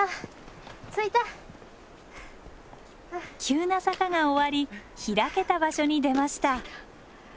急な坂が終わり開けた場所に出ました。